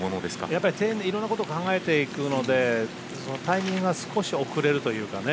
やっぱりいろんなこと考えていくのでタイミングが少し遅れるというかね。